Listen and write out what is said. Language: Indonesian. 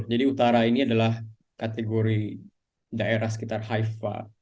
jadi utara ini adalah kategori daerah sekitar haifa